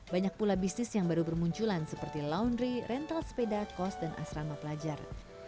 banyak pula bisnis yang baru bermunculan seperti laundry rental sepeda kos dan asrama pelajar